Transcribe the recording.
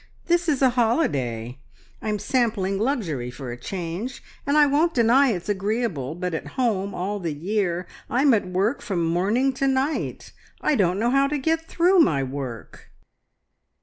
"This is a holiday. I'm sampling luxury for a change, and I won't deny it's agreeable, but at home all the year I'm at work from morning to night. I don't know how to get through my work."